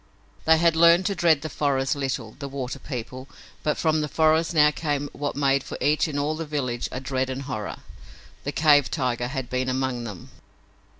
They had learned to dread the forest little, the water people, but from the forest now came what made for each in all the village a dread and horror. The cave tiger had been among them!